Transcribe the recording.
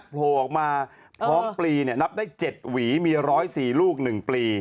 พร้อมปลีเนี่ยนับได้๗หวีมี๑๐๔ลูก๑ปลี